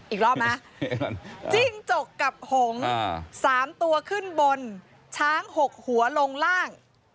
อีกรอบไหมจิ้งจกกับหง๓ตัวขึ้นบนช้าง๖หัวลงล่าง